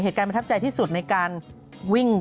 เหตุการณ์ประทับใจที่สุดในการวิ่ง